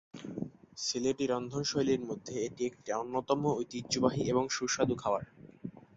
সিলেটি রন্ধনশৈলীর মধ্যে এটি একটি অন্যতম ঐতিহ্যবাহী এবং সুস্বাদু খাবার।